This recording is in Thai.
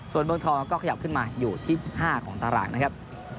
ส่วนเมืองทองก็ขยับขึ้นมาอยู่ที่๕ของตารางนะครับ